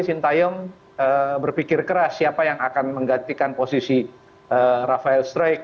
sintayong berpikir keras siapa yang akan menggantikan posisi rafael strek